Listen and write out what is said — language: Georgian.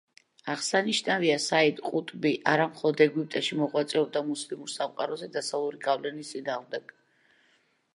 აღსანიშნავია, საიდ ყუტბი არა მხოლოდ ეგვიპტეში მოღვაწეობდა მუსლიმურ სამყაროზე დასავლური გავლენის წინააღმდეგ.